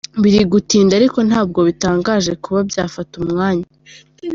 Biri gutinda, ariko ntabwo bitangaje kuba byafata umwanya.